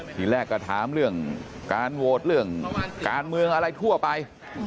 ทีแรกก็ถามเรื่องการโหวตเรื่องการเมืองอะไรทั่วไป